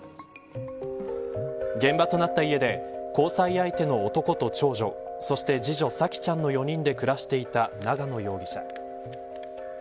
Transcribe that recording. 現場となった家で交際相手の男と長女そして次女、沙季ちゃんの４人で暮らしていた長野容疑者。